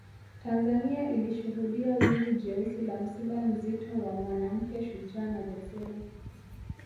Tanzania ilishuhudia wingu jeusi la msiba mzito wa Mwanamke shujaa na jasiri